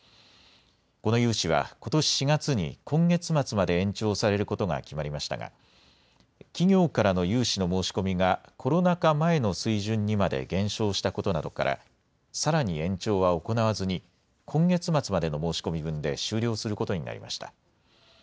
この融資はことし４月に今月末まで延長されることが決まりましたが企業からの融資の申し込みがコロナ禍前の水準にまで減少したことなどからさらに延長は行わずに今月末までの申し込み分で終了することになりました。